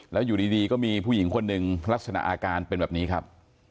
แล้วอยู่ดีก็มีผู้หญิงคนหนึ่งลักษณะอาการเป็นแบบนี้ครับ